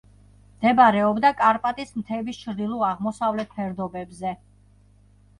მდებარეობდა კარპატის მთების ჩრდილო-აღმოსავლეთ ფერდობებზე.